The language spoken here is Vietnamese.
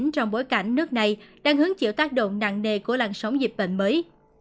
trong bối cảnh nước này đang hướng chịu tác động nặng nề của lan sóng dịch bệnh mới